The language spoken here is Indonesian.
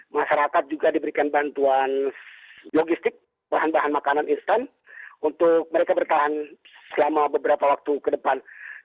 masyarakat juga diberikan bantuan logistik bahan bahan makanan instan untuk mereka bertahan selama beberapa waktu ke depan